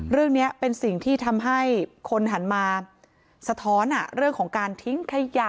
เรื่องนี้เป็นสิ่งที่ทำให้คนหันมาสะท้อนเรื่องของการทิ้งขยะ